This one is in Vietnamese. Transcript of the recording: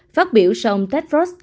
phát biểu sau ông tedros